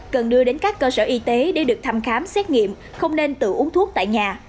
cần đưa đến các cơ sở y tế để được thăm khám xét nghiệm không nên tự uống thuốc tại nhà